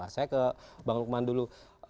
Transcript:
saya ke bang lukman dulu